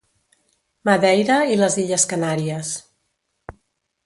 Madeira i les Illes Canàries.